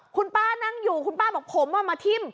คุณป้านั่งอยู่คุณป้าบอกผมมาทิ้ม